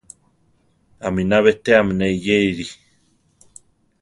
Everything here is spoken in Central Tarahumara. Aminá betéame ne eyéere.